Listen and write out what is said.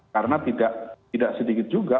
karena tidak sedikit juga